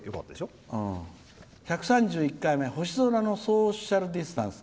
１３１回目星空のソーシャルディスタンス。